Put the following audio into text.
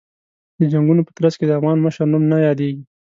د جنګونو په ترڅ کې د افغان مشر نوم نه یادېږي.